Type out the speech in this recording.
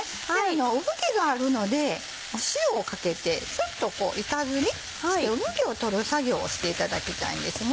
産毛があるので塩をかけてちょっと板ずりして産毛を取る作業をしていただきたいんですね。